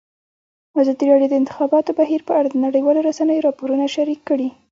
ازادي راډیو د د انتخاباتو بهیر په اړه د نړیوالو رسنیو راپورونه شریک کړي.